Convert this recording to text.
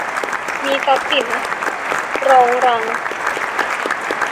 มีทรัพย์สินรองรัง